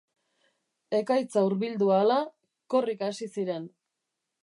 Ekaitza hurbildu ahala, korrika hasi ziren.